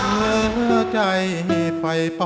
เผื่อใจให้ไฟฟ้อง